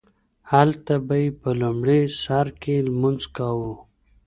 هلته به یې په لومړي سرکې لمونځ کاوو.